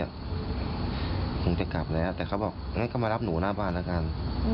คงจะกลับแล้วแต่เขาบอกงั้นก็มารับหนูหน้าบ้านแล้วกัน